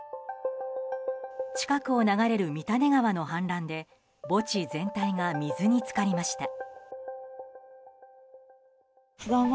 近くを流れる三種川の氾濫で墓地全体が水に浸かりました。